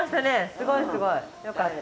すごいすごい。よかった。